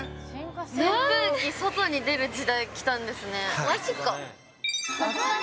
扇風機が外に出る時代きたんですね。